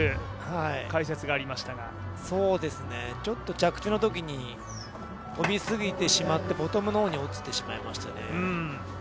着地したときに飛びすぎてしまって、ボトムの方に落ちてしまいましたね。